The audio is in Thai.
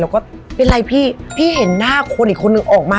ก็เป็นไรพี่พี่เห็นหน้าคนอีกคนนึงออกมา